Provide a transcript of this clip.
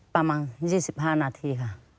ประมาณ๒๕นาทีค่ะ